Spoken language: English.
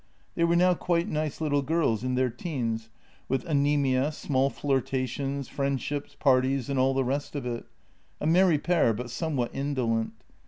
They were now quite nice little girls in their teens, with anæmia, small flirtations, friendships, parties, and all the rest of it — a merry pair, but somewhat indolent.